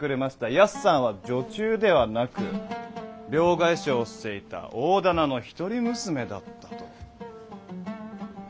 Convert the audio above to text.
ヤスさんは女中ではなく両替商をしていた大店の一人娘だったと。